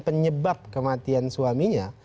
penyebab kematian suaminya